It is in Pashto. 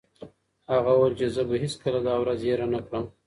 هغه وویل چې زه به هیڅکله دا ورځ هېره نه کړم.